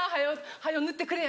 早う塗ってくれや！